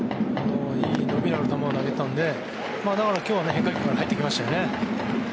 いい伸びのある球を投げてたんでだから今日は変化球から入ってきましたね。